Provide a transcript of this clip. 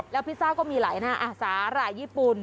แล้วพิซซ่าก็มีหลายหน้าสาหร่ายญี่ปุ่น